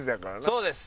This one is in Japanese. そうです。